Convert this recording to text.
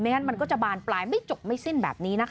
งั้นมันก็จะบานปลายไม่จบไม่สิ้นแบบนี้นะคะ